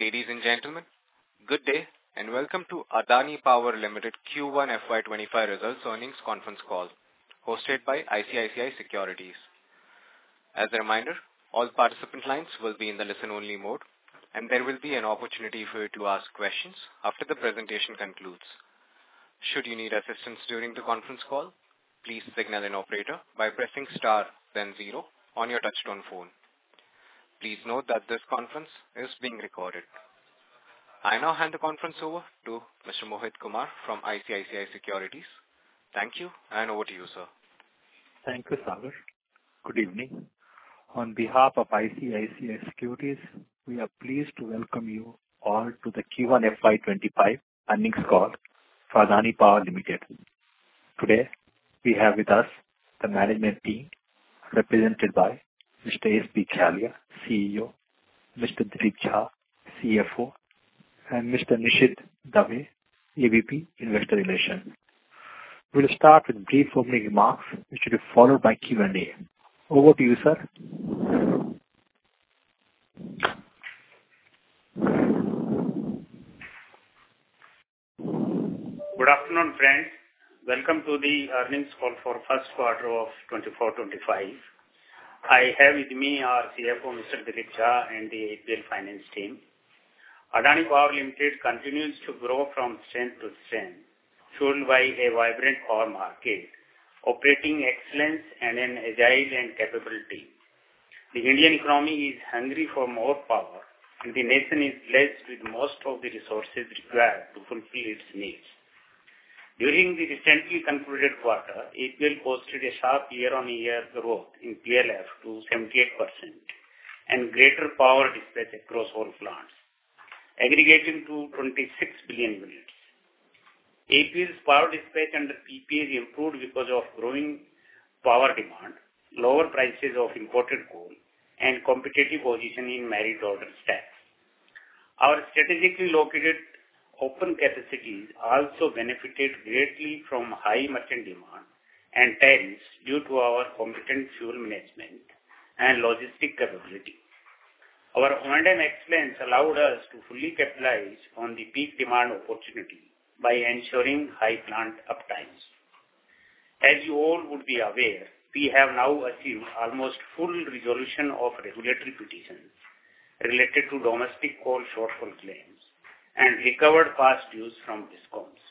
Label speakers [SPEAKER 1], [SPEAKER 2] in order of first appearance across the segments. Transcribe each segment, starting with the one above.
[SPEAKER 1] Ladies and gentlemen, good day, and welcome to Adani Power Limited Q1 FY twenty-five results earnings conference call, hosted by ICICI Securities. As a reminder, all participant lines will be in the listen-only mode, and there will be an opportunity for you to ask questions after the presentation concludes. Should you need assistance during the conference call, please signal an operator by pressing star then zero on your touchtone phone. Please note that this conference is being recorded. I now hand the conference over to Mr. Mohit Kumar from ICICI Securities. Thank you, and over to you, sir.
[SPEAKER 2] Thank you, Sagar. Good evening. On behalf of ICICI Securities, we are pleased to welcome you all to the Q1 FY twenty-five earnings call for Adani Power Limited. Today, we have with us the management team, represented by Mr. S.B. Khyalia, CEO, Mr. Dilip Jha, CFO, and Mr. Nishit Dave, AVP, Investor Relations. We'll start with brief opening remarks, which will be followed by Q&A. Over to you, sir.
[SPEAKER 3] Good afternoon, friends. Welcome to the earnings call for first quarter of twenty-four, twenty-five. I have with me our CFO, Mr. Dilip Jha, and the APL finance team. Adani Power Limited continues to grow from strength to strength, driven by a vibrant core market, operating excellence, and an agile and capable team. The Indian economy is hungry for more power, and the nation is blessed with most of the resources required to fulfill its needs. During the recently concluded quarter, APL posted a sharp year-on-year growth in PLF to 78% and greater power dispatch across all plants, aggregating to 26 billion units. APL's power dispatch under PPA improved because of growing power demand, lower prices of imported coal, and competitive positioning merit order stack. Our strategically located open capacities also benefited greatly from high merchant demand and tariffs due to our competent fuel management and logistic capability. Our O&M excellence allowed us to fully capitalize on the peak demand opportunity by ensuring high plant uptimes. As you all would be aware, we have now achieved almost full resolution of regulatory petitions related to domestic coal shortfall claims and recovered past dues from DISCOMs.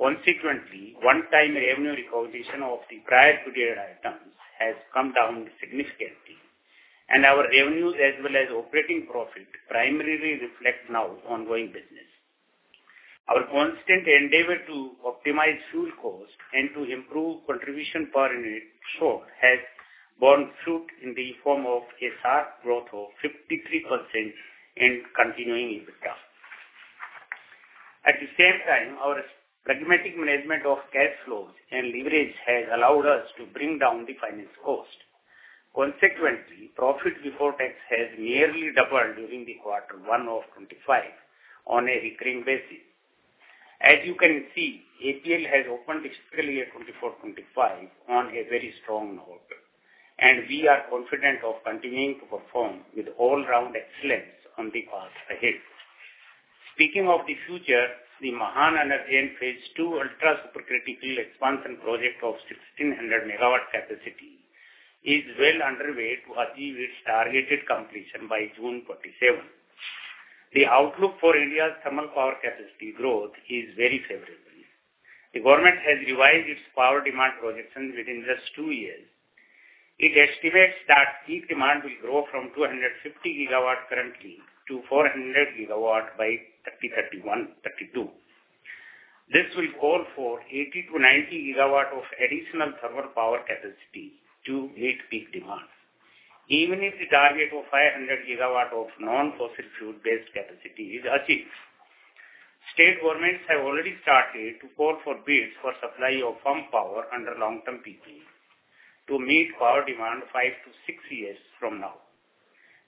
[SPEAKER 3] Consequently, one-time revenue reconciliation of the prior period items has come down significantly, and our revenues as well as operating profit primarily reflect now ongoing business. Our constant endeavor to optimize fuel cost and to improve contribution per unit show has borne fruit in the form of a sharp growth of 53% in continuing EBITDA. At the same time, our pragmatic management of cash flows and leverage has allowed us to bring down the finance cost. Consequently, profit before tax has nearly doubled during the quarter one of 2025 on a recurring basis. As you can see, APL has opened its fiscal year twenty-four, twenty-five on a very strong note, and we are confident of continuing to perform with all-round excellence on the path ahead. Speaking of the future, the Mahan Energy Phase II ultra-supercritical expansion project of 1,600-megawatt capacity is well underway to achieve its targeted completion by June twenty-seven. The outlook for India's thermal power capacity growth is very favorable. The government has revised its power demand projection within just two years. It estimates that peak demand will grow from 250 GW currently to 400 GW by 2031-32. This will call for 80-90 GW of additional thermal power capacity to meet peak demand, even if the target of 500 GW of non-fossil fuel-based capacity is achieved. State governments have already started to call for bids for supply of firm power under long-term PPAs to meet power demand five to six years from now.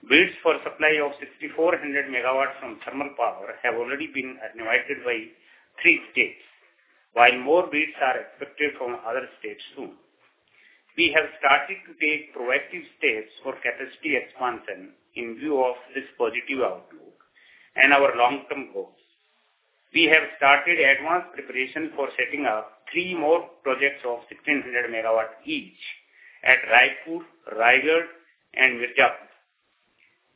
[SPEAKER 3] Bids for supply of 6,400 megawatts from thermal power have already been invited by three states, while more bids are expected from other states, too. We have started to take proactive steps for capacity expansion in view of this positive outlook and our long-term goals. We have started advanced preparation for setting up three more projects of 1,600 megawatt each at Raipur, Raigarh, and Mirzapur.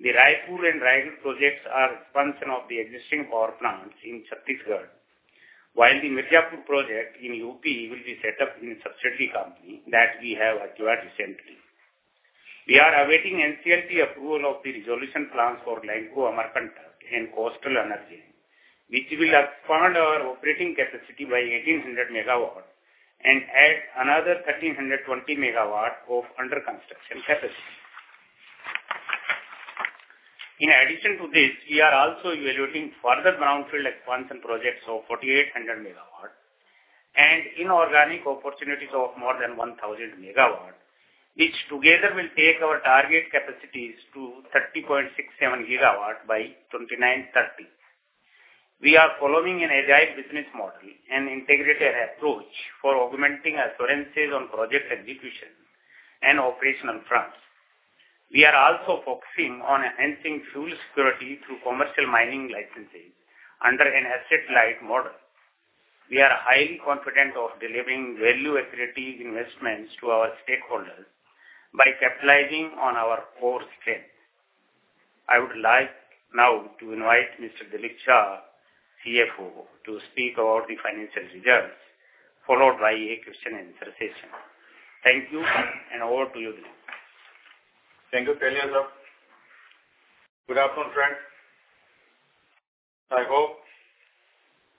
[SPEAKER 3] The Raipur and Raigarh projects are expansion of the existing power plants in Chhattisgarh, while the Mirzapur project in UP will be set up in a subsidiary company that we have acquired recently. We are awaiting NCLT approval of the resolution plans for Lanco Amarkantak and Coastal Energy, which will expand our operating capacity by 1800 megawatts and add another 1320 megawatts of under construction capacity. In addition to this, we are also evaluating further brownfield expansion projects of 4800 megawatts and inorganic opportunities of more than 1000 megawatts, which together will take our target capacities to 30.67 gigawatts by 2030. We are following an agile business model and integrated approach for augmenting assurances on project execution and operational fronts. We are also focusing on enhancing fuel security through commercial mining licenses under an asset-light model. We are highly confident of delivering value-equity investments to our stakeholders by capitalizing on our core strength. I would like now to invite Mr. Dilip Jha, CFO, to speak about the financial results, followed by a question and answer session. Thank you, and over to you, Dilip.
[SPEAKER 4] Thank you, Khyalia, sir. Good afternoon, friends. I hope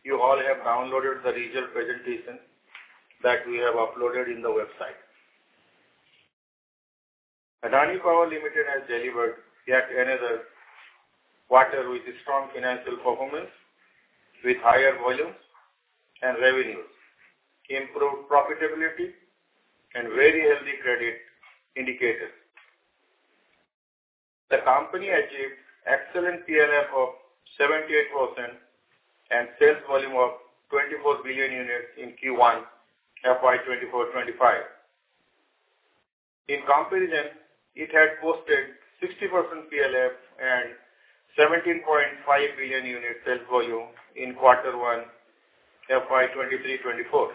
[SPEAKER 4] you all have downloaded the regional presentation that we have uploaded in the website. Adani Power Limited has delivered yet another quarter with a strong financial performance, with higher volumes and revenues, improved profitability, and very healthy credit indicators. The company achieved excellent PLF of 78% and sales volume of 24 billion units in Q1 FY 2024-25. In comparison, it had posted 60% PLF and 17.5 billion units sales volume in quarter one, FY 2023-24.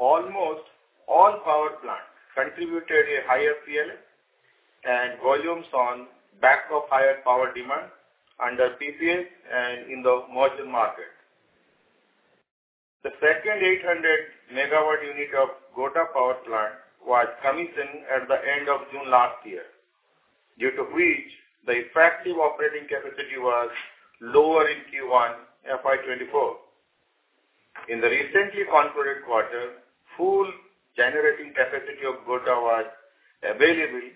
[SPEAKER 4] Almost all power plants contributed a higher PLF and volumes on back of higher power demand under PPAs and in the merchant market. The second 800 MW unit of Godda Power Plant was commissioned at the end of June last year, due to which the effective operating capacity was lower in Q1 FY 2024. In the recently concluded quarter, full generating capacity of Godda was available,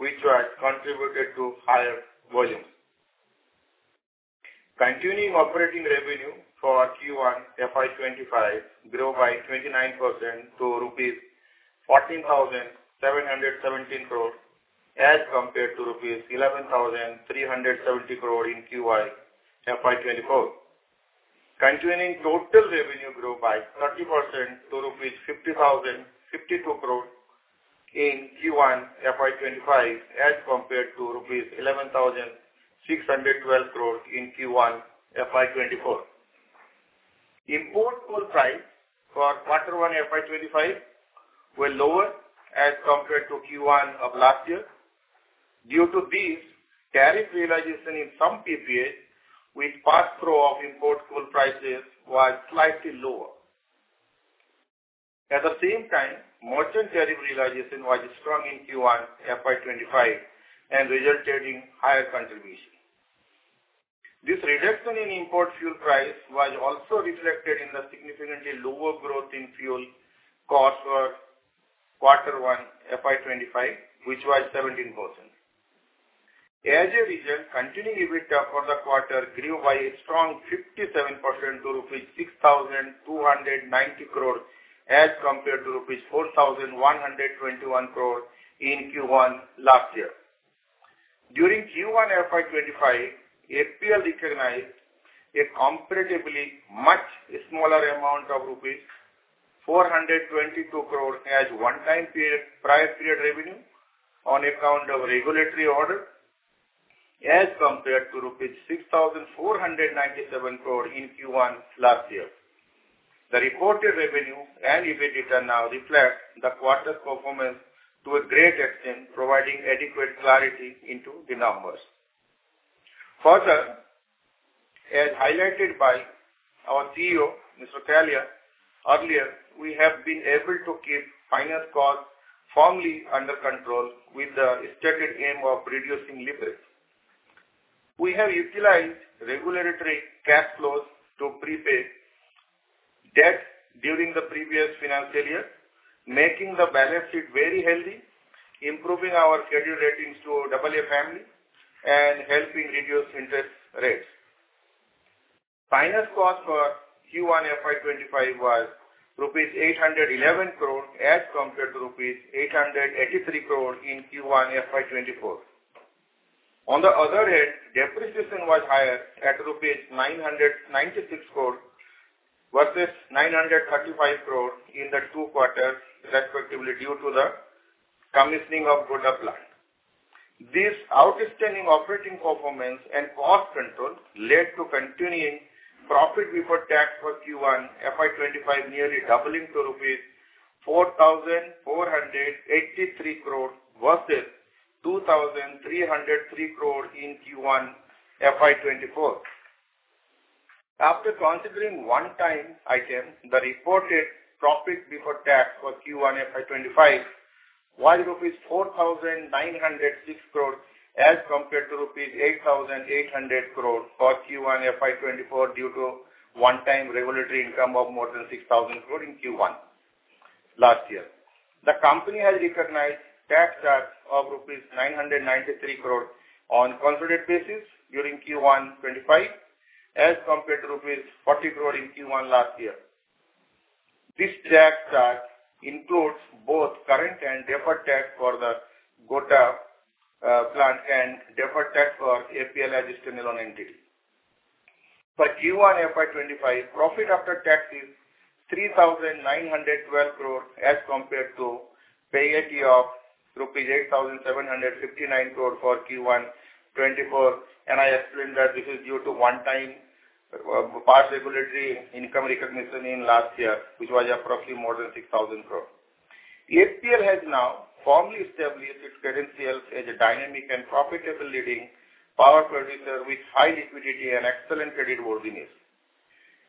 [SPEAKER 4] which was contributed to higher volume. Continuing operating revenue for Q1 FY 2025 grew by 29% to rupees 14,717 crores, as compared to rupees 11,370 crores in Q1 FY 2024. Continuing total revenue grew by 30% to rupees 50,052 crores in Q1 FY 2025, as compared to rupees 11,612 crores in Q1 FY 2024. Import coal price for Q1 FY 2025 were lower as compared to Q1 of last year. Due to this, tariff realization in some PPAs with pass-through of import coal prices was slightly lower. At the same time, merchant tariff realization was strong in Q1 FY 2025 and resulted in higher contribution. This reduction in import fuel price was also reflected in the significantly lower growth in fuel cost for Q1 FY 2025, which was 17%. As a result, continuing EBITDA for the quarter grew by a strong 57% to rupees 6,290 crores, as compared to rupees 4,121 crores in Q1 last year. During Q1 FY 2025, APL recognized a comparatively much smaller amount of rupees 422 crores as one-time period, prior period revenue on account of regulatory order, as compared to rupees 6,497 crores in Q1 last year. The reported revenue and EBITDA now reflect the quarter's performance to a great extent, providing adequate clarity into the numbers. Further, as highlighted by our CEO, Mr. Khyalia, earlier, we have been able to keep finance costs firmly under control with the stated aim of reducing leverage. We have utilized regulatory cash flows to prepay debt during the previous financial year, making the balance sheet very healthy, improving our credit ratings to AA stable, and helping reduce interest rates. Finance cost for Q1 FY 2025 was rupees 811 crores, as compared to rupees 883 crores in Q1 FY 2024. On the other hand, depreciation was higher at rupees 996 crores versus 935 crores in the two quarters, respectively, due to the commissioning of Godda plant. This outstanding operating performance and cost control led to continuing profit before tax for Q1 FY 2025, nearly doubling to rupees 4,483 crores versus 2,303 crores in Q1 FY 2024. After considering one-time item, the reported profit before tax for Q1 FY 2025 was rupees 4,906 crores, as compared to rupees 8,800 crores for Q1 FY 2024, due to one-time regulatory income of more than 6,000 crores in Q1 last year. The company has recognized tax charge of rupees 993 crores on consolidated basis during Q1 2025, as compared to rupees 40 crores in Q1 last year. This tax includes both current and deferred tax for the Godda plant and deferred tax for APL Additional on NT. For Q1 FY 2025, profit after tax is 3,912 crore as compared to PAT of rupees 8,759 crore for Q1 2024, and I explained that this is due to one time past regulatory income recognition in last year, which was approximately more than 6,000 crore. APL has now formally established its credentials as a dynamic and profitable leading power producer with high liquidity and excellent creditworthiness.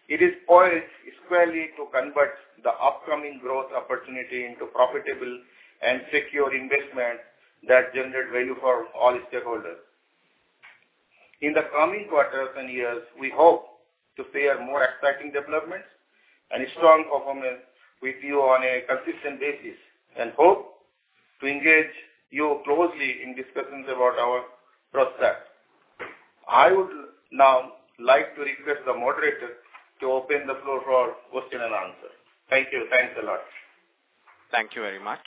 [SPEAKER 4] It is poised squarely to convert the upcoming growth opportunity into profitable and secure investment that generate value for all stakeholders. In the coming quarters and years, we hope to share more exciting developments and a strong performance with you on a consistent basis, and hope to engage you closely in discussions about our process. I would now like to request the moderator to open the floor for question and answer. Thank you. Thanks a lot.
[SPEAKER 1] Thank you very much.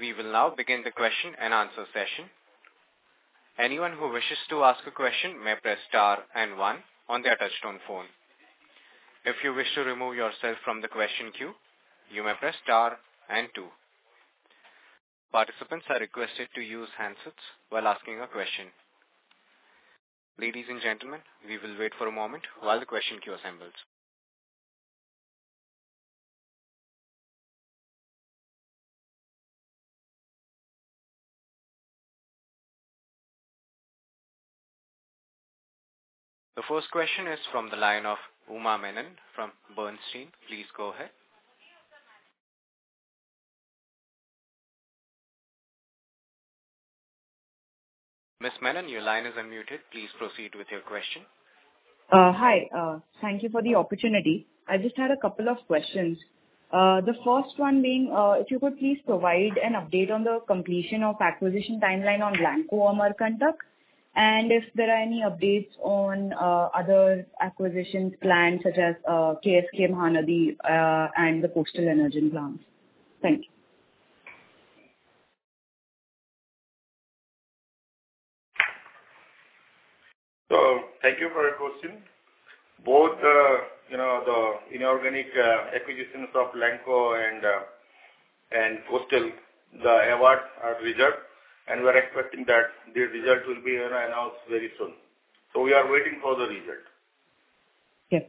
[SPEAKER 1] We will now begin the question and answer session. Anyone who wishes to ask a question may press star and one on their touchtone phone. If you wish to remove yourself from the question queue, you may press star and two. Participants are requested to use handsets while asking a question. Ladies and gentlemen, we will wait for a moment while the question queue assembles. The first question is from the line of Uma Menon from Bernstein. Please go ahead. Ms. Menon, your line is unmuted. Please proceed with your question.
[SPEAKER 5] Hi. Thank you for the opportunity. I just had a couple of questions. The first one being, if you could please provide an update on the completion of acquisition timeline on Lanco Amarkantak, and if there are any updates on, other acquisitions plans such as, KSK Mahanadi, and the Coastal Energen plants. Thank you.
[SPEAKER 3] Thank you for your question. Both the inorganic acquisitions of Lanco and Coastal, the awards are reserved, and we're expecting that the results will be announced very soon. We are waiting for the result.
[SPEAKER 5] Yes.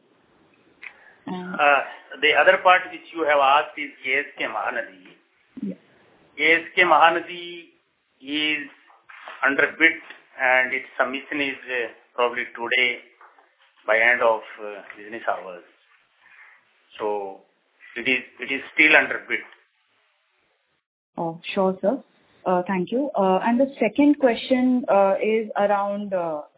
[SPEAKER 3] The other part which you have asked is KSK Mahanadi. KSK Mahanadi is under bid, and its submission is probably today by end of business hours. So it is still under bid.
[SPEAKER 5] Oh, sure, sir. Thank you. And the second question is around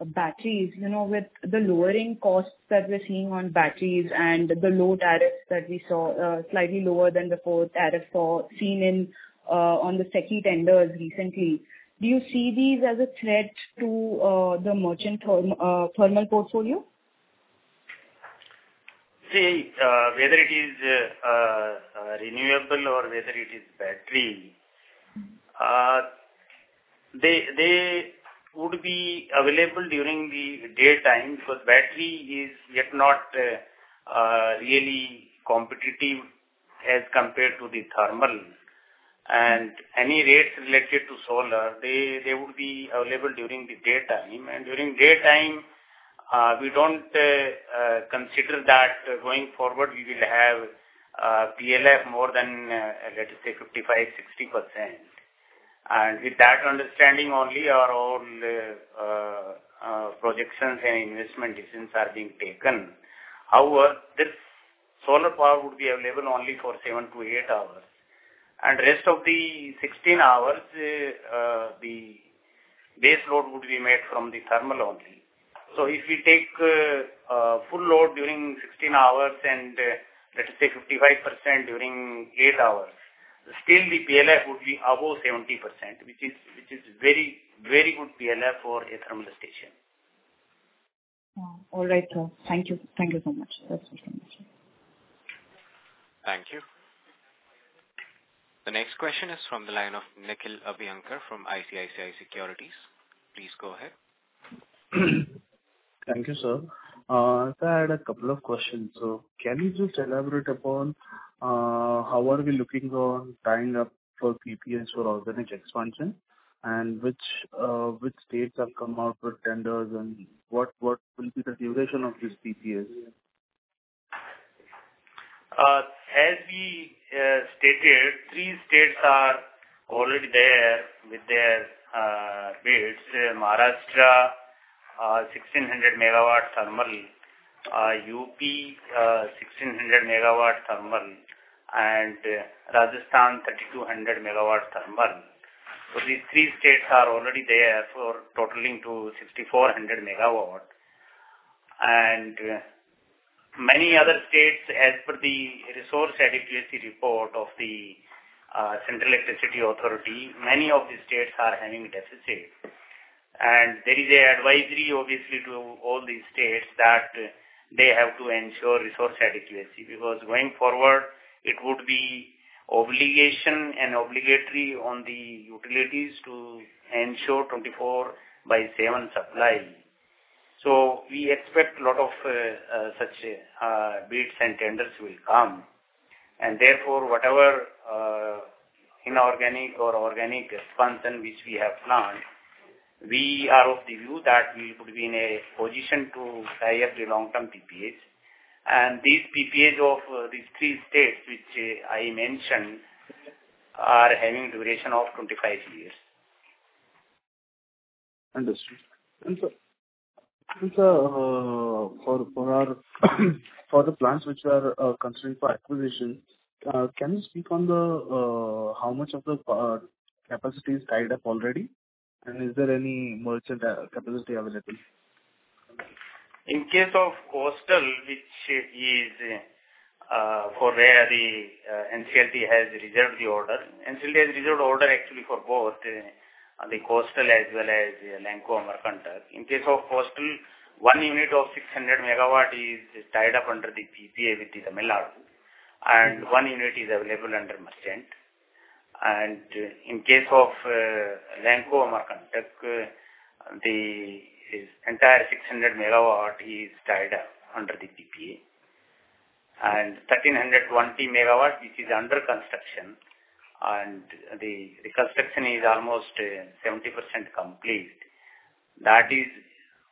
[SPEAKER 5] batteries. You know, with the lowering costs that we're seeing on batteries and the low tariffs that we saw, slightly lower than before, tariffs seen in on the SECI tenders recently, do you see these as a threat to the merchant thermal portfolio?
[SPEAKER 3] See, whether it is renewable or whether it is battery, they would be available during the daytime because battery is yet not really competitive as compared to the thermal. Any rates related to solar, they would be available during the daytime, and during daytime, we don't consider that going forward, we will have PLF more than, let's say, 55-60%. With that understanding only are all projections and investment decisions being taken. However, this solar power would be available only for 7-8 hours, and rest of the 16 hours, the base load would be made from the thermal only. If we take full load during 16 hours and, let's say, 55% during eight hours, still the PLF would be above 70%, which is, which is very, very good PLF for a thermal station.
[SPEAKER 5] All right, sir. Thank you. Thank you so much. That's it.
[SPEAKER 1] Thank you. The next question is from the line of Nikhil Abhyankar from ICICI Securities. Please go ahead.
[SPEAKER 6] Thank you, sir. Sir, I had a couple of questions. Can you just elaborate upon how are we looking on tying up for PPA for organic expansion? Which states have come out with tenders and what will be the duration of this PPA?
[SPEAKER 3] As we stated, three states are already there with their bids. Maharashtra, 1600 megawatt thermal, UP, 1600 megawatt thermal, and Rajasthan 3200 megawatt thermal. These three states are already there for totaling to 6400 megawatt. And many other states, as per the resource adequacy report of the Central Electricity Authority, many of the states are having deficit. And there is an advisory obviously to all the states that they have to ensure resource adequacy, because going forward, it would be obligation and obligatory on the utilities to ensure twenty-four by seven supply. We expect a lot of such bids and tenders will come. And therefore, whatever inorganic or organic expansion which we have planned, we are of the view that we could be in a position to tie up the long-term PPAs. These PPAs of these three states, which, I mentioned, are having a duration of twenty-five years.
[SPEAKER 6] Understood. Sir, for the plants which are considering for acquisition, can you speak on how much of the capacity is tied up already, and is there any merchant capacity available?
[SPEAKER 3] In case of Coastal, NCLT has reserved the order. NCLT has reserved order actually for both, the Coastal as well as the Lanco Amarkantak. In case of Coastal, one unit of 600 megawatts is tied up under the PPA with the Tamil Nadu, and one unit is available under merchant. And in case of Lanco Amarkantak, the entire 600 megawatts is tied up under the PPA. And 1,320 megawatts, which is under construction, and the construction is almost 70% complete. That is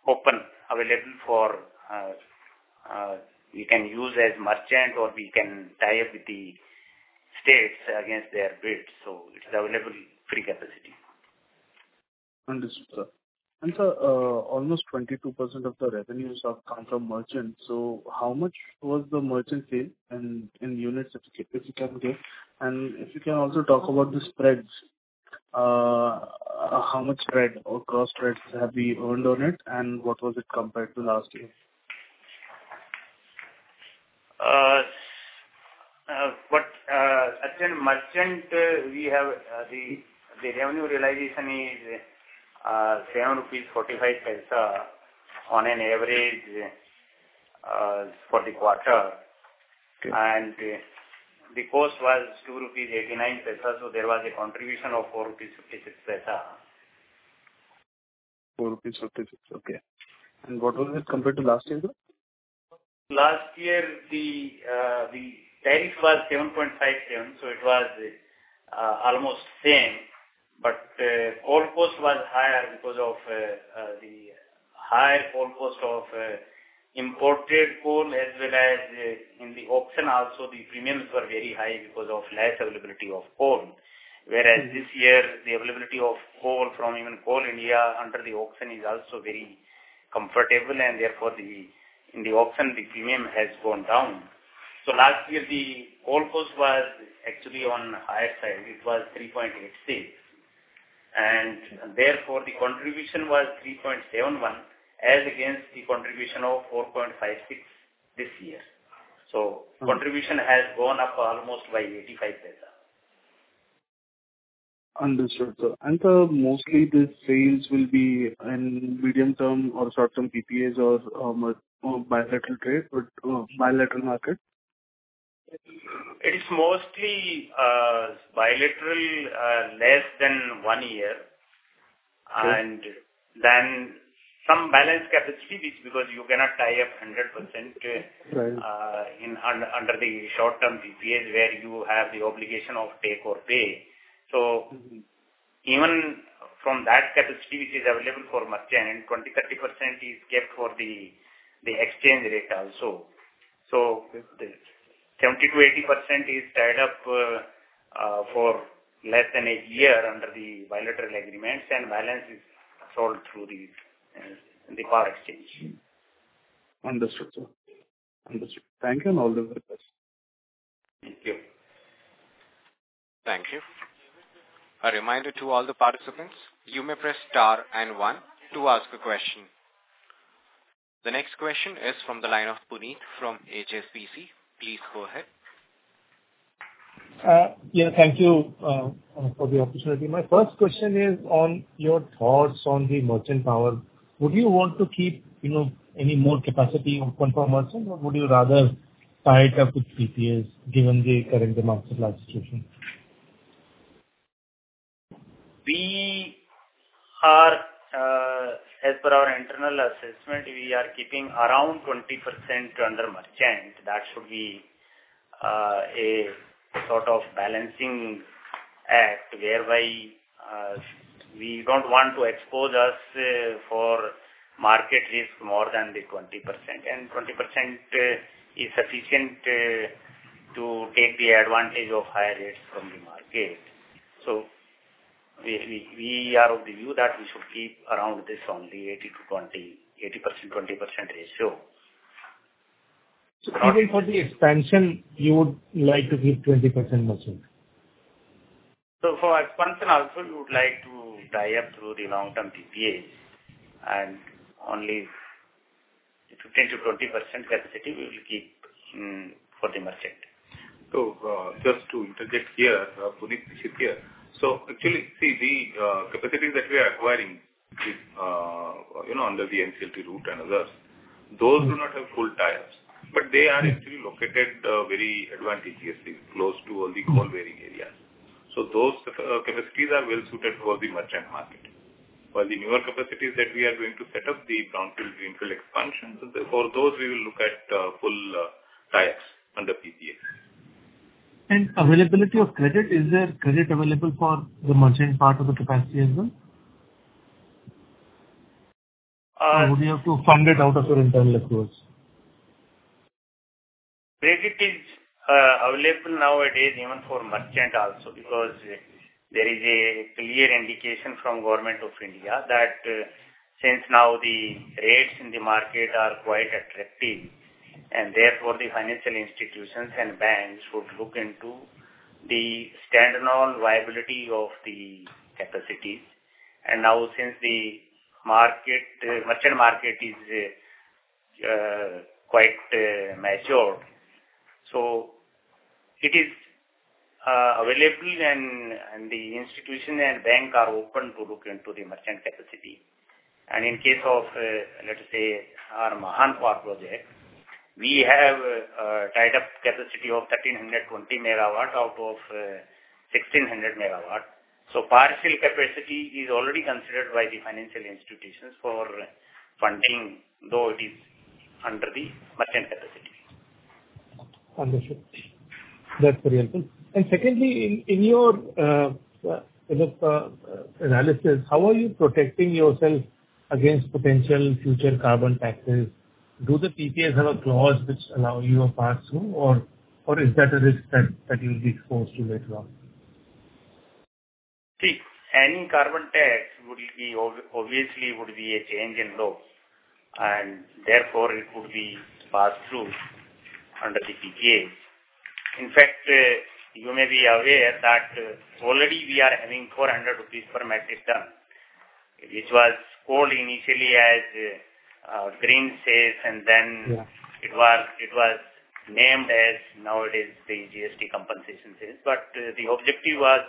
[SPEAKER 3] open, available for, we can use as merchant or we can tie up with the states against their bids. So it is available free capacity.
[SPEAKER 6] Understood, sir. Sir, almost 22% of the revenues are come from merchant, so how much was the merchant sale in units, if you can give? You can also talk about the spreads, how much spread or cross spreads have we earned on it, and what was it compared to last year?
[SPEAKER 3] Actually, merchant, we have the revenue realization is 0.0745 on an average for the quarter.
[SPEAKER 6] Okay.
[SPEAKER 3] The cost was 2.89 rupees paise, so there was a contribution of 4.66 rupees paise.
[SPEAKER 6] 4.66 rupees, okay. And what was it compared to last year, sir?
[SPEAKER 3] Last year, the tariff was 7.57, so it was almost same. Coal cost was higher because of the higher coal cost of imported coal, as well as in the auction also, the premiums were very high because of less availability of coal. Whereas this year, the availability of coal from even Coal India under the auction is also very comfortable, and therefore, in the auction, the premium has gone down. Last year, the coal cost was actually on higher side. It was 3.86, and therefore, the contribution was 3.71, as against the contribution of 4.56 this year. Contribution has gone up almost by 0.85.
[SPEAKER 6] Understood, sir. Mostly the sales will be in medium-term or short-term PPAs or bilateral trade, but bilateral market?
[SPEAKER 3] It's mostly bilateral, less than one year.
[SPEAKER 6] Okay.
[SPEAKER 3] Then some balance capacity, which because you cannot tie up 100% under the short-term PPAs, where you have the obligation of take or pay. Even from that capacity, which is available for merchant, and 20-30% is kept for the exchange rate also 70%-80% is tied up for less than a year under the bilateral agreements, and balance is sold through the power exchange.
[SPEAKER 6] Understood, sir. Understood. Thank you, and I'll leave the question.
[SPEAKER 3] Thank you.
[SPEAKER 1] Thank you. A reminder to all the participants, you may press Star and one to ask a question. The next question is from the line of Puneet from HSBC. Please go ahead. Thank you for the opportunity. My first question is on your thoughts on the merchant power. Would you want to keep, you know, any more capacity open for merchant, or would you rather tie it up with PPAs, given the current marketplace situation?
[SPEAKER 3] We are, as per our internal assessment, we are keeping around 20% under merchant. That should be, a balancing act, whereby, we don't want to expose us, for market risk more than the 20%. and 20%, is sufficient, to take the advantage of higher rates from the market. We are of the view that we should keep around this only 80-20, 80%, 20% ratio. Even for the expansion, you would like to keep 20% merchant? For expansion also, we would like to tie up through the long-term PPAs, and only 10%-20% capacity we will keep for the merchant.
[SPEAKER 7] Just to interject here, Puneet here. Actually, see the capacities that we are acquiring is, you know, under the NCLT route and others. Those do not have full tariffs, but they are actually located very advantageously close to all the coal mining areas. Those capacities are well suited for the merchant market. While the newer capacities that we are going to set up, the brownfield, greenfield expansion, so therefore, those we will look at full tariffs under PPA. Availability of credit, is there credit available for the merchant part of the capacity as well? Or do you have to fund it out of your internal accruals?
[SPEAKER 3] Credit is available nowadays even for merchant also, because there is a clear indication from Government of India that since now the rates in the market are quite attractive, and therefore, the financial institutions and banks would look into the standalone viability of the capacity. Now, since the market, merchant market is quite mature, so it is available and the institution and bank are open to look into the merchant capacity. In case of, let's say, our Mahan power project, we have tied up capacity of 1,320 MW out of 1,600 MW. Partial capacity is already considered by the financial institutions for funding, though it is under the merchant capacity. Understood. That's very helpful. And secondly, in your, you know, analysis, how are you protecting yourself against potential future carbon taxes? Do the PPAs have a clause which allow you a pass-through, or is that a risk that you'll be exposed to later on? See, any carbon tax would be obviously, would be a change in law, and therefore it would be passed through under the PPA. In fact, you may be aware that, already we are having 400 rupees per metric ton, which was called initially as, green cess, and then- Yeah. It was named as nowadays the GST compensation cess. The objective was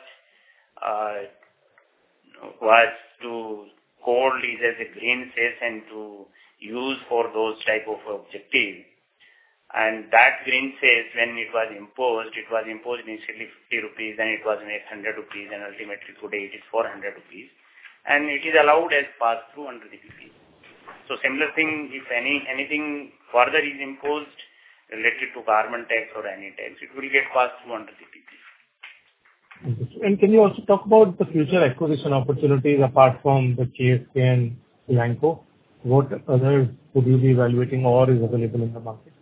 [SPEAKER 3] to call it as a green cess and to use for those type of objectives. And that green cess, when it was imposed, it was imposed initially 50 rupees, then it was next 100 rupees, and ultimately today it is 400 rupees. And it is allowed as pass-through under the PPA. So similar thing, if anything further is imposed related to carbon tax or any tax, it will get passed through under the PPA. Understood. Can you also talk about the future acquisition opportunities apart from the KSK and Lanco? What other could you be evaluating or is available in the market?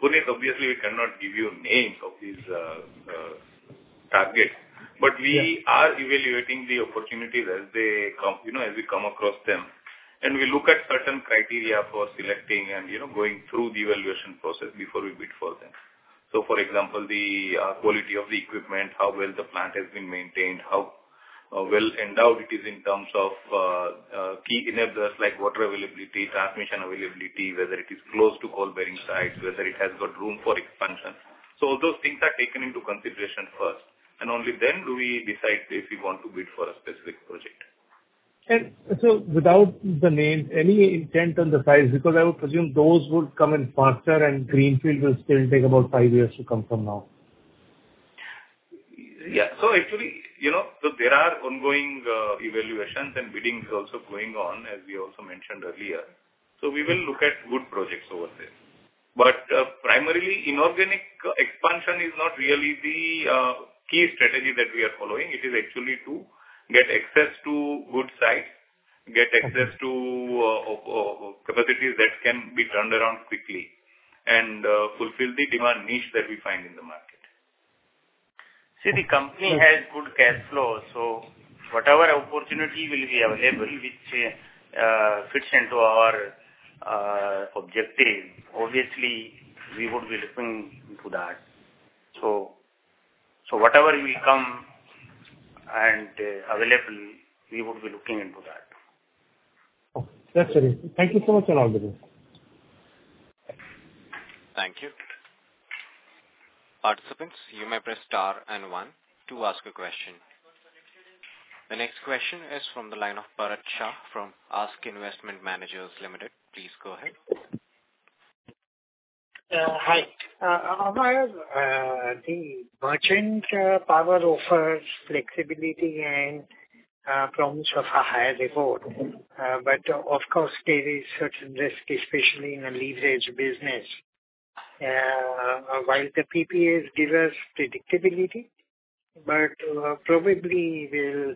[SPEAKER 7] Puneet, obviously, we cannot give you names of these targets, but we are evaluating the opportunities as they come, you know, as we come across them. We look at certain criteria for selecting and, you know, going through the evaluation process before we bid for them. For example, the quality of the equipment, how well the plant has been maintained, how well endowed it is in terms of key enablers like water availability, transmission availability, whether it is close to coal bearing sites, whether it has got room for expansion. So those things are taken into consideration first, and only then do we decide if we want to bid for a specific project. Without naming any intent on the size, because I would presume those would come in faster and greenfield will still take about five years to come from now. Yeah. Actually, you know, so there are ongoing evaluations and bidding is also going on, as we also mentioned earlier. We will look at good projects over there. Primarily, inorganic expansion is not really the key strategy that we are following. It is actually to get access to good sites, get access to capacities that can be turned around quickly and fulfill the demand niche that we find in the market.
[SPEAKER 3] See, the company has good cash flow, so whatever opportunity will be available which fits into our objective, obviously we would be looking into that. Whatever will come and available, we would be looking into that. Okay. That's ready. Thank you so much and all good day.
[SPEAKER 1] Thank you. Participants, you may press Star and one to ask a question. The next question is from the line of Bharat Shah, from ASK Investment Managers Limited. Please go ahead.
[SPEAKER 8] Hi. The merchant power offers flexibility and promise of a higher reward, but of course, there is certain risk, especially in a leveraged business. While the PPAs give us predictability but probably will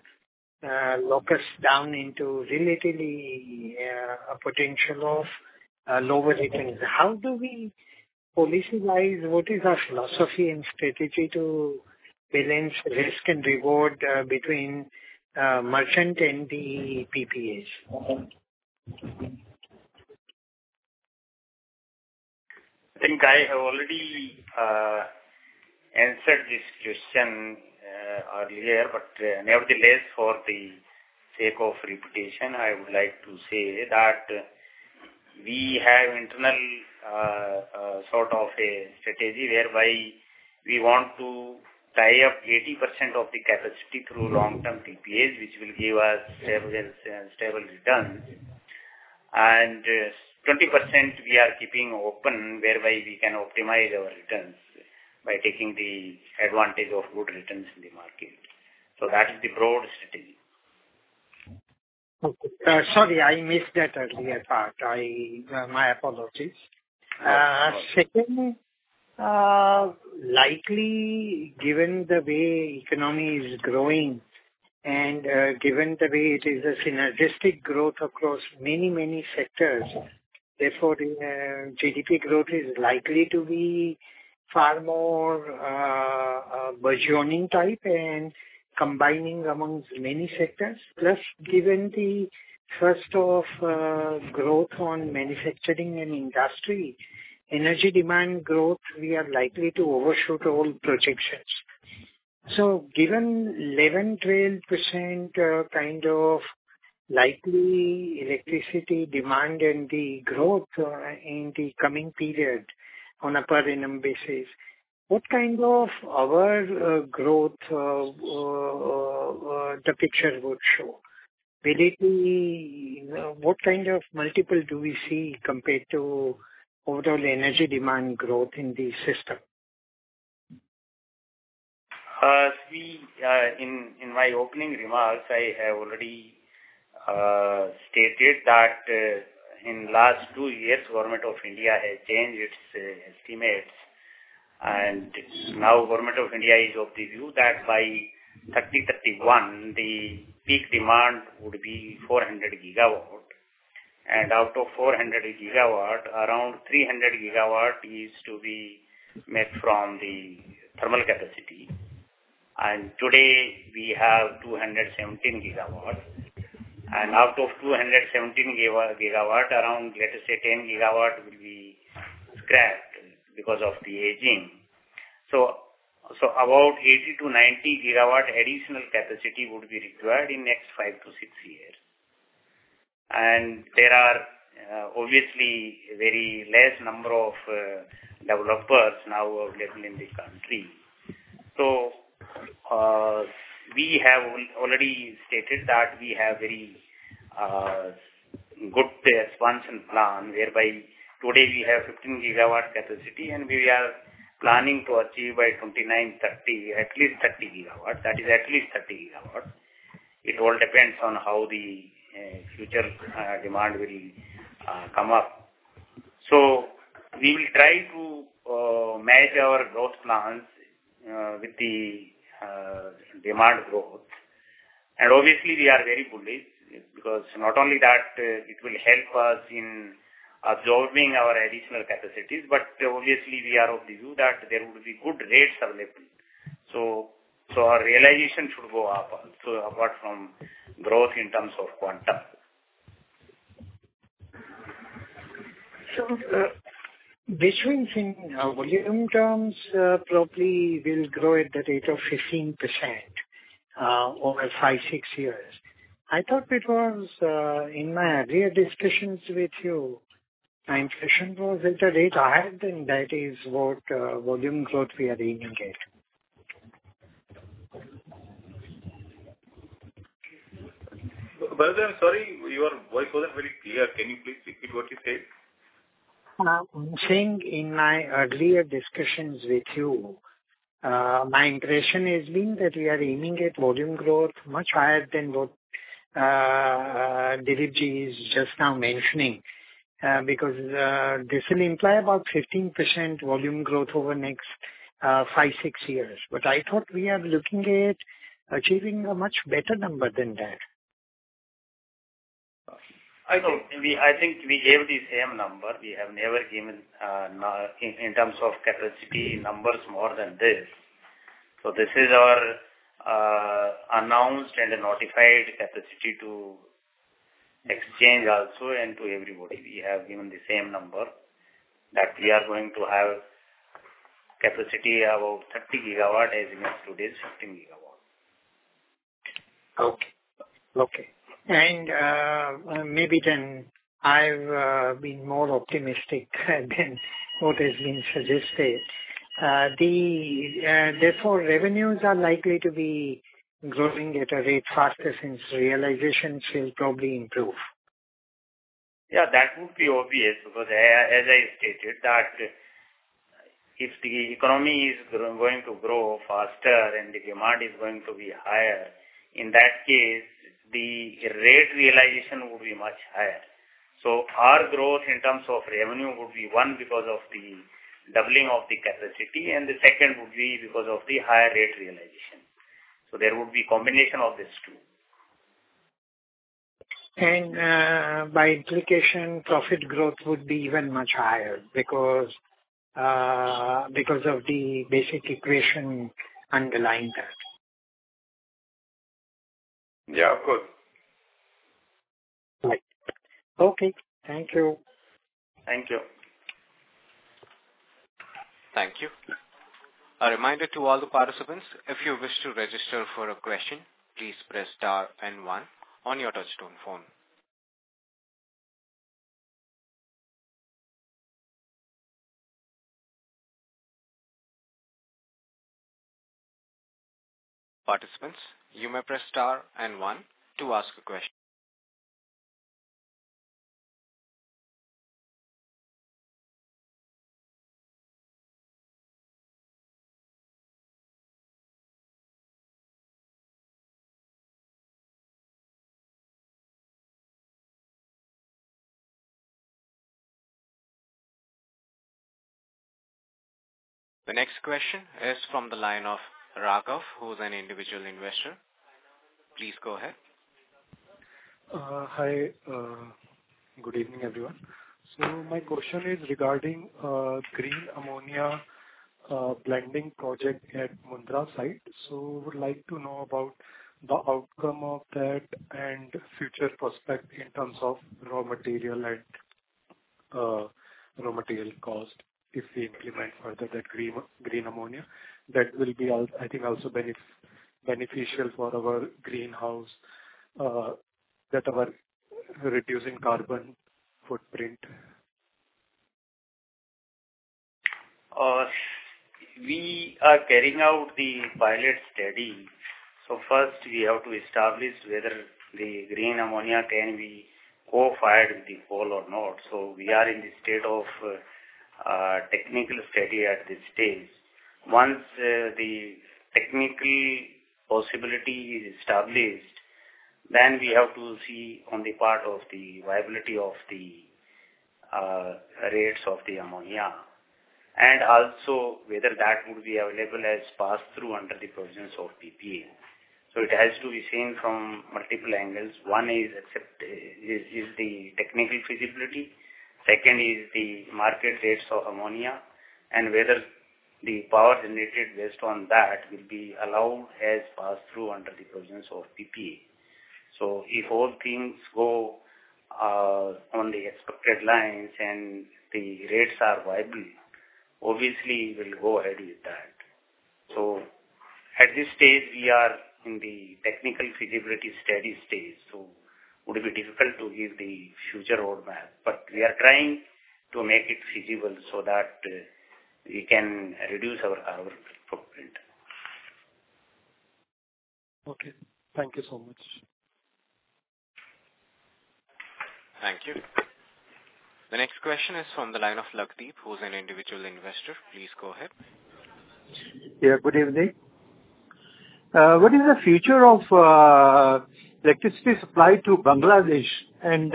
[SPEAKER 8] lock us down into relatively a potential of lower returns. How do we policy-wise, what is our philosophy and strategy to balance risk and reward between merchant and the PPAs? Mm-hmm.
[SPEAKER 3] I think I have already answered this question earlier, but nevertheless, for the sake of repetition, I would like to say that we have internal a strategy whereby we want to tie up 80% of the capacity through long-term PPAs, which will give us stable returnsm 20% we are keeping open, whereby we can optimize our returns by taking the advantage of good returns in the market. That is the broad strategy.
[SPEAKER 8] Okay. Sorry, I missed that earlier part. My apologies.
[SPEAKER 3] Yeah.
[SPEAKER 8] Secondly, likely, given the way the economy is growing and, given the way it is a synergistic growth across many, many sectors, therefore the, GDP growth is likely to be far more, burgeoning type and combining amongst many sectors. Plus, given the first of, growth on manufacturing and industry, energy demand growth, we are likely to overshoot all projections. Given 11-12%, likely electricity demand and the growth, in the coming period on a per annum basis, what our growth, the picture would show? Will it be, what multiple do we see compared to overall energy demand growth in the system?
[SPEAKER 3] In my opening remarks, I have already stated that in last two years, the Government of India has changed its estimates. Now the Government of India is of the view that by 2031, the peak demand would be 400 gigawatts. Out of 400 gigawatts, around 300 gigawatts is to be met from the thermal capacity. Today, we have 217 gigawatts. Out of 217 gigawatts, around, let us say, 10 gigawatts will be scrapped because of the aging. About 80-90 gigawatts additional capacity would be required in next 5-6 years. There are obviously very less number of developers now available in this country. We have already stated that we have very good response and plan, whereby today we have 15 gigawatt capacity, and we are planning to achieve by 2029, 2030, at least 30 gigawatt. That is at least 30 gigawatt. It all depends on how the future demand will come up. We will try to match our growth plans with the demand growth. And obviously, we are very bullish because not only that, it will help us in absorbing our additional capacities, but obviously we are of the view that there would be good rates available. Our realization should go up apart from growth in terms of quantum.
[SPEAKER 8] In volume terms, probably will grow at the rate of 15% over 5-6 years. I thought it was, in my earlier discussions with you, my impression was at a rate higher than that is what volume growth we are aiming at.
[SPEAKER 3] Bharat ji, I'm sorry, your voice wasn't very clear. Can you please repeat what you said?
[SPEAKER 8] I'm saying in my earlier discussions with you, my impression has been that we are aiming at volume growth much higher than what Dilipji is just now mentioning. This will imply about 15% volume growth over the next five, six years. I thought we are looking at achieving a much better number than that.
[SPEAKER 3] I think we gave the same number. We have never given in terms of capacity numbers more than this. This is our announced and notified capacity to exchange also and to everybody. We have given the same number, that we are going to have capacity about 30 gigawatt, as in today's 15 gigawatt.
[SPEAKER 8] Okay. Maybe then I've been more optimistic than what has been suggested. Therefore, revenues are likely to be growing at a rate faster since realizations will probably improve.
[SPEAKER 3] That would be obvious, because as I stated that if the economy is going to grow faster and the demand is going to be higher, in that case, the rate realization would be much higher. Our growth in terms of revenue would be, one, because of the doubling of the capacity, and the second would be because of the higher rate realization. There would be combination of these two.
[SPEAKER 8] By implication, profit growth would be even much higher because of the basic equation underlying that. Right. Okay, thank you.
[SPEAKER 4] Thank you.
[SPEAKER 1] Thank you. A reminder to all the participants, if you wish to register for a question, please press star and one on your touchtone phone. Participants, you may press star and one to ask a question. The next question is from the line of Raghav, who is an individual investor. Please go ahead. Hi, good evening, everyone. My question is regarding green ammonia blending project at Mundra site. Would like to know about the outcome of that and future prospects in terms of raw material and raw material cost, if we implement further that green ammonia. That will be, I think, also beneficial for our greenhouse, that our reducing carbon footprint.
[SPEAKER 3] We are carrying out the pilot study. First, we have to establish whether the green ammonia can be co-fired with the coal or not. We are in the state of technical study at this stage. Once the technical possibility is established, then we have to see on the part of the viability of the rates of the ammonia, and also whether that would be available as pass-through under the provisions of PPA. It has to be seen from multiple angles. One is the technical feasibility, second is the market rates of ammonia, and whether the power generated based on that will be allowed as pass-through under the provisions of PPA. If all things go on the expected lines and the rates are viable, obviously we'll go ahead with that. At this stage, we are in the technical feasibility study stage, so would it be difficult to give the future roadmap? We are trying to make it feasible so that we can reduce our carbon footprint. Thank you so much.
[SPEAKER 1] Thank you. The next question is from the line of Lakdeep, who is an individual investor. Please go ahead. Good evening. What is the future of the electricity supply to Bangladesh, and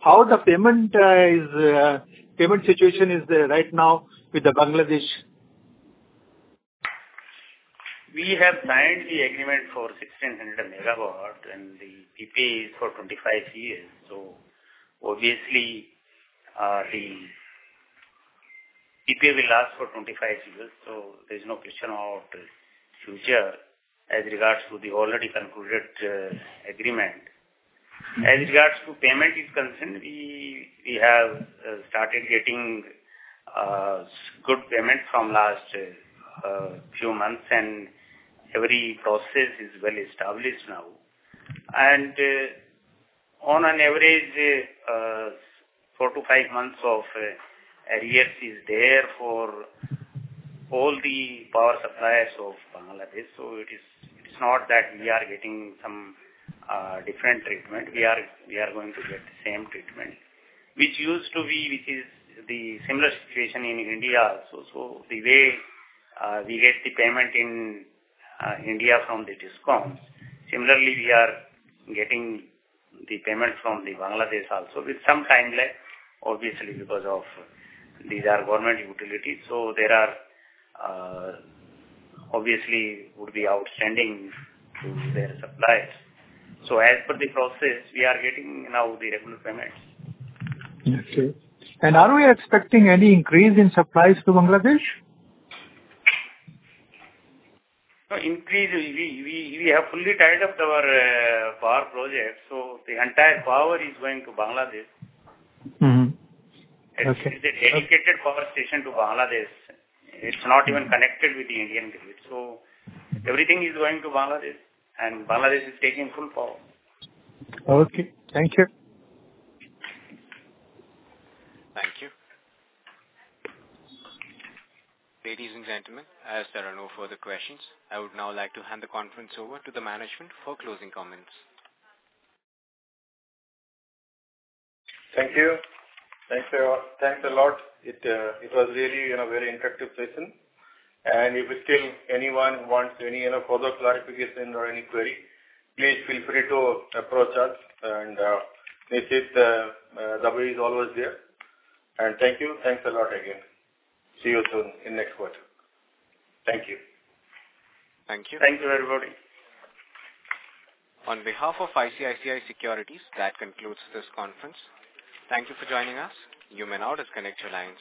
[SPEAKER 1] how the payment situation is right now with the Bangladesh?
[SPEAKER 3] We have signed the agreement for 1600 megawatt and the PPA is for 25 years. Obviously, the PPA will last for 25 years, so there's no question about future as regards to the already concluded agreement. As regards to payment is concerned, we have started getting good payment from last few months, and every process is well established now. And on an average, 4 to 5 months of arrears is there for all the power suppliers of Bangladesh. It is not that we are getting some different treatment. We are going to get the same treatment, which used to be, which is the similar situation in India also. The way we get the payment in India from the DISCOMs, similarly we are getting the payments from Bangladesh also, with some timeline, obviously, because these are government utilities, so there are obviously would be outstanding to their suppliers. As per the process, we are getting now the regular payments. Are we expecting any increase in supplies to Bangladesh? No increase. We have fully tied up our power project, so the entire power is going to Bangladesh.It is a dedicated power station to Bangladesh. It's not even connected with the Indian grid. Everything is going to Bangladesh, and Bangladesh is taking full power. Okay, thank you.
[SPEAKER 1] Thank you. Ladies and gentlemen, as there are no further questions, I would now like to hand the conference over to the management for closing comments.
[SPEAKER 4] Thank you. Thanks, everyone. Thanks a lot. It was really, you know, a very interactive session. And if still anyone wants any, you know, further clarification or any query, please feel free to approach us. And this is, Ravi is always there and thank you. Thanks a lot again. See you soon in next quarter. Thank you.
[SPEAKER 1] Thank you.
[SPEAKER 3] Thank you, everybody.
[SPEAKER 1] On behalf of ICICI Securities, that concludes this conference. Thank you for joining us. You may now disconnect your line.